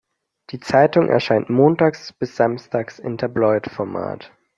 Die Zeitung erscheint montags bis samstags im Tabloid-Format.